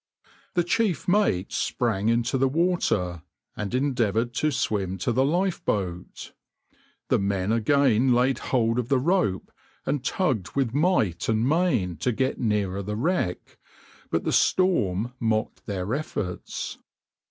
The chief mate sprang into the water and endeavoured to swim to the lifeboat. The men again laid hold of the rope and tugged with might and main to get nearer the wreck, but the storm mocked their efforts.